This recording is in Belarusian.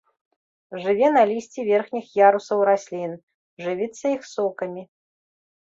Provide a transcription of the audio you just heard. Жыве на лісці верхніх ярусаў раслін, жывіцца іх сокамі.